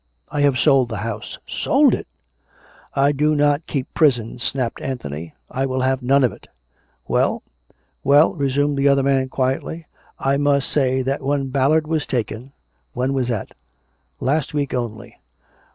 ... I have sold the house." "Sold it!" " I do not keep prisons," snapped Anthony. " I will have none of it !" 270 COME RACK! COME ROPE! "Well?" " Well," resumed the other man quietly. " I must say that when Ballard was taken " "When was that?" " Last week only.